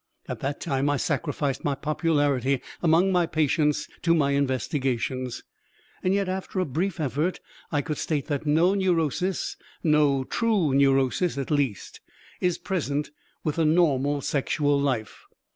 At that time I sacrificed my popularity among my patients to my investigations, yet after a brief effort I could state that no neurosis, no true neurosis at least, is present with a normal sexual life.